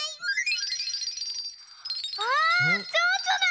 あっちょうちょだ！